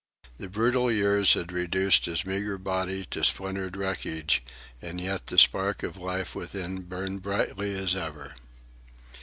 The brutal years had reduced his meagre body to splintered wreckage, and yet the spark of life within burned brightly as ever.